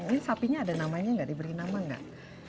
ini sapinya ada namanya enggak diberi nama enggak